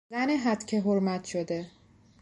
زن هتک حرمت شده